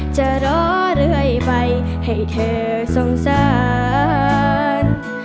จะรอเรื่อยไปให้เธอสงสาร